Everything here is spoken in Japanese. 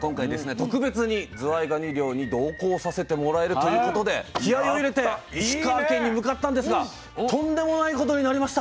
特別にずわいがに漁に同行させてもらえるということで気合いを入れて石川県に向かったんですがとんでもないことになりました。